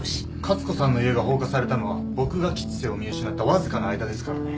勝子さんの家が放火されたのは僕が吉瀬を見失ったわずかな間ですからね。